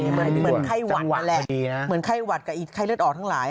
เหมือนไข้หวัดนั่นแหละเหมือนไข้หวัดกับไข้เลือดออกทั้งหลาย